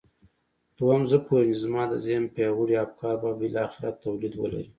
دويم زه پوهېږم چې زما د ذهن پياوړي افکار به بالاخره توليد ولري.